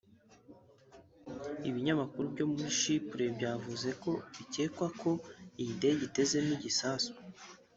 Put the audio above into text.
Ibinyamakuru byo muri Chypre byavuze ko bikekwa ko iyi ndege itezemo igisasu